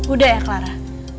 udah ya clara